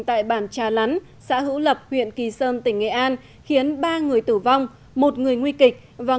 tại bản trà lán xã hữu lập huyện kỳ sơn tỉnh nghệ an khiến ba người tử vong một người nguy kịch vào